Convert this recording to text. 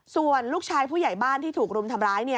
ส่วนลูกชายผู้ใหญ่บ้านที่ถูกรุมทำร้าย